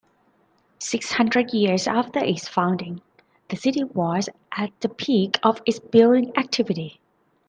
Six hundred years after its founding, the city was at the peak of its building activity.